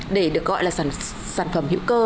để được gọi là sản phẩm hữu cơ